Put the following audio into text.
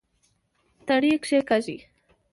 تڼي کېکاږئ